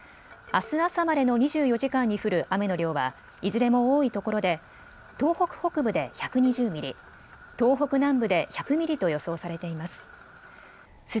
あす朝までの２４時間に降る雨の量はいずれも多いところで東北北部で１２０ミリ、東北南部で１００ミリと予想されています。